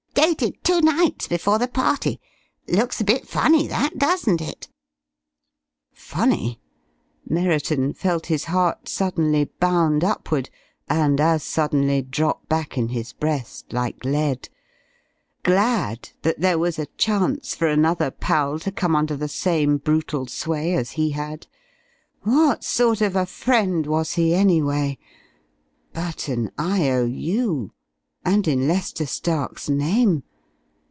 Dated two nights before the party. Looks a bit funny, that, doesn't it?" Funny? Merriton felt his heart suddenly bound upward, and as suddenly drop back in his breast like lead. Glad that there was a chance for another pal to come under the same brutal sway as he had? What sort of a friend was he, anyway? But an I.O.U.!... And in Lester Stark's name!